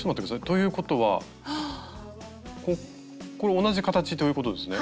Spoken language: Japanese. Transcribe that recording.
ということはこれ同じ形ということですね。